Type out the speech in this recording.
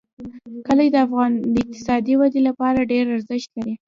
کلي د اقتصادي ودې لپاره ډېر ارزښت لري.